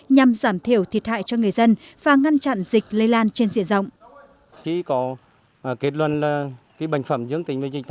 nhằm giảm thiểu thiệt hại cho người dân và ngăn chặn dịch lây lan trên diện rộng